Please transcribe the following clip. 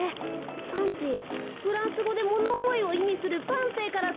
パンジーフランスごでものおもいをいみするパンゼーからとった。